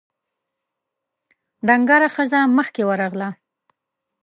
ډنګره ښځه مخکې ورغله: